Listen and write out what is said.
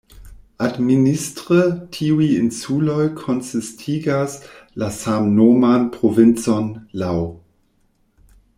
Administre tiuj insuloj konsistigas la samnoman provincon "Lau".